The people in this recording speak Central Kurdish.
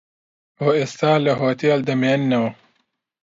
بۆ ئێستا لە هۆتێل دەمێنمەوە.